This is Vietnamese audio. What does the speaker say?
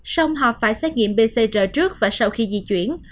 xong họ phải xét nghiệm pcr trước và sau khi di chuyển